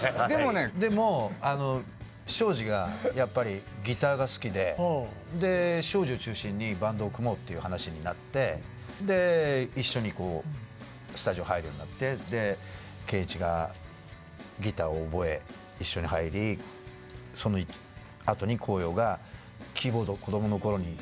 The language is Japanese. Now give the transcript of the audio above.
でも昭次がやっぱりギターが好きで昭次を中心にバンドを組もうっていう話になって一緒にスタジオ入るようになって健一がギターを覚え一緒に入りそのあとに耕陽がキーボードを子どもの頃にやってたっていうことで。